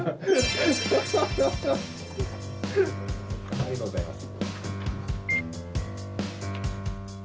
ありがとうございます。